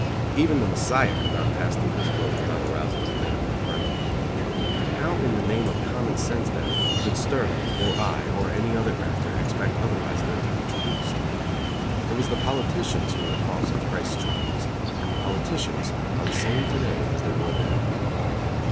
Even the Messiah could not pass through this world without arousing the venom of the crowd. How in the name of common sense, then, could Sterling, or I, or any other grafter expect otherwise than to be traduced? It was the politicians who were the cause of Christ's trials; and the politicians are the same to day as they were then.